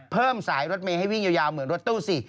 เพิ่มสายรถเมย์ให้วิ่งยาวเหมือนรถตู้สิ